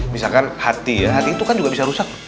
misalkan hati ya hati itu kan juga bisa rusak